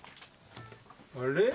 あれ？